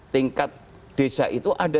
tingkat desa itu ada